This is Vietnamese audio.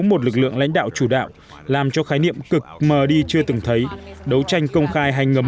một lực lượng lãnh đạo chủ đạo làm cho khái niệm cực mờ đi chưa từng thấy đấu tranh công khai hay ngấm